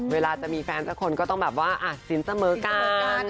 เวลาจะมีแฟนสักคนก็ต้องแบบว่าสินเสมอกัน